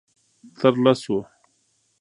_تر لسو.